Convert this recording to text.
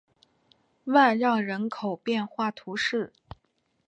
万让人口变化图示